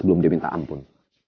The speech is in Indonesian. belum dia minta ampun